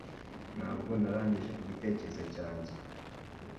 Ntabwo narangije igitekerezo cyanjye